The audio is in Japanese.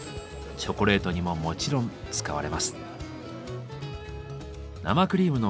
チョコレートにももちろん使われます。